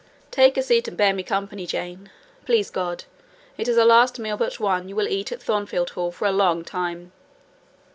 "Take a seat and bear me company, Jane: please God, it is the last meal but one you will eat at Thornfield Hall for a long time."